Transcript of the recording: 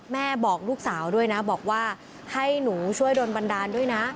บอกลูกสาวด้วยนะบอกว่าให้หนูช่วยโดนบันดาลด้วยนะ